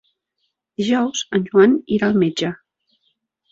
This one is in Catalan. Dijous en Joan irà al metge.